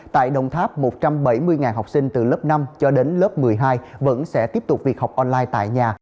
tại đồng tháp một trăm bảy mươi học sinh từ lớp năm cho đến lớp một mươi hai vẫn sẽ tiếp tục việc học online tại nhà